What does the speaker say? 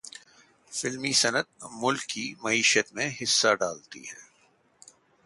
فلمی صنعت ملک کی معیشت میں حصہ ڈالتی ہے۔